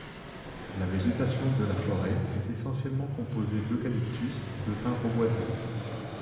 La végétation de la forêt est essentiellement composé d'eucalyptus et de pin reboisé.